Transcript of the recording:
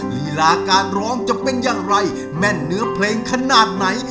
ลีลาการร้องจะเป็นอย่างไรแม่นเนื้อเพลงขนาดไหน